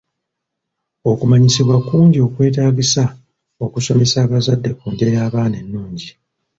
Okumanyisibwa kungi kwetaagisa okusomesa abazadde ku ndya y'abaana ennungi.